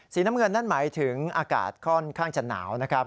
น้ำเงินนั่นหมายถึงอากาศค่อนข้างจะหนาวนะครับ